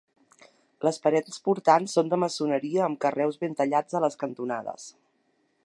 Les parets portants són de maçoneria amb carreus ben tallats a les cantonades.